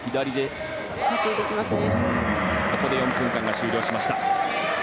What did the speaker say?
ここで４分間が終了しました。